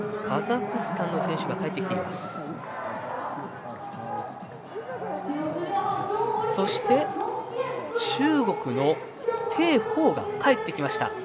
カザフスタンの選手が帰ってきました。